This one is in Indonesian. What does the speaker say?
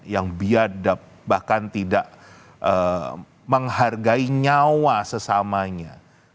yang biadab bahkan tidak menghargai nyawa sesamanya